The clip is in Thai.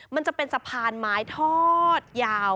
มันจะเป็นสะพานไม้ทอดยาว